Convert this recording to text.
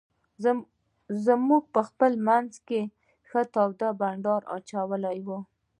موږ په خپل منځ کې ښه تود بانډار اچولی وو.